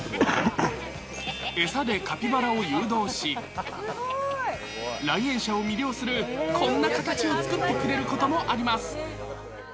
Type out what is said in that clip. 餌でカピバラを誘導し、来園者を魅了する、こんな形を作ってくれることもあります。